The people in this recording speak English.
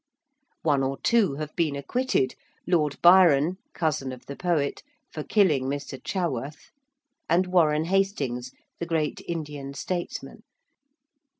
One or two have been acquitted, Lord Byron cousin of the poet for killing Mr. Chaworth: and Warren Hastings, the great Indian statesman.